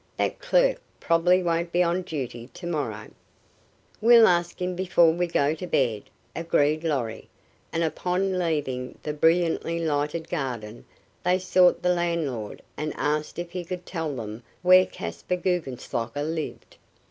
That clerk probably won't be on duty to morrow." "We'll ask him before we go to bed," agreed Lorry, and upon leaving the brilliantly lighted garden they sought the landlord and asked if he could tell them where Caspar Guggenslocker lived.